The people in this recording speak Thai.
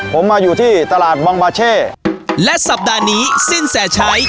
ผมมาอยู่ที่ตลาดบองบาเช่และสัปดาห์นี้สินแสชัย